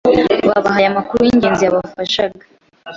babahaye amakuru y'ingenzi yabafashaga